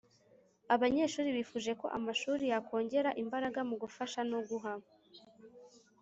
Abanyeshuri bifuje ko amashuri yakongera imbaraga mu gufasha no guha